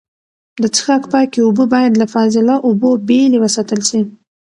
د څښاک پاکې اوبه باید له فاضله اوبو بېلې وساتل سي.